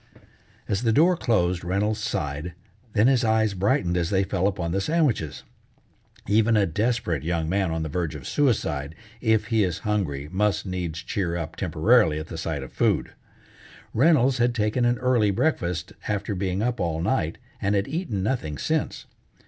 As the door closed Reynolds sighed, then his eyes brightened as they fell upon the sandwiches. Even a desperate young man on the verge of suicide if he is hungry must needs cheer up temporarily at the sight of food. Reynolds had taken an early breakfast after being up all night, and had eaten nothing since.